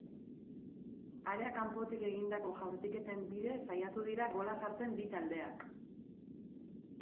Area kanpotik egindako jaurtiketen bidez saiatu dira gola sartzen bi taldeak.